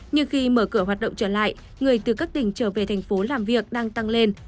nhưng khi mở cửa hoạt động trở lại người từ các tỉnh trở về thành phố làm việc đang tăng lên